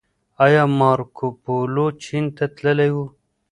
ايا مارکوپولو چين ته تللی و؟